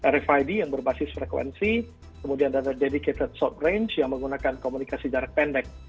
rfid yang berbasis frekuensi kemudian data dedicated short range yang menggunakan komunikasi jarak pendek